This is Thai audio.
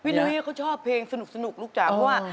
นุ้ยเขาชอบเพลงสนุกลูกจ๋าเพราะว่า